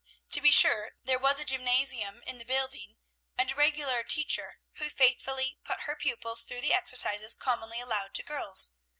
To be sure, there was a gymnasium in the building, and a regular teacher, who faithfully put her pupils through the exercises commonly allowed to girls.